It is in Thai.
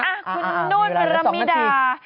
คุณนุ่นรามิดา